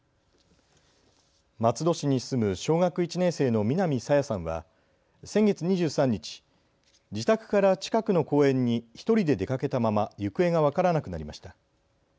松戸市に住む小学１年生の南朝芽さんは先月２３日、自宅から近くの公園に１人で出かけたまま行方が分からなくなりました。